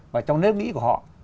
và trong nếp nghĩ của họ